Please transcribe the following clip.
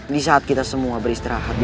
di saat kita semua beristirahat